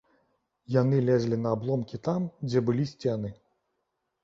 Яны лезлі на абломкі там, дзе былі сцены.